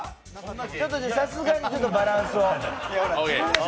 さすがにバランスを。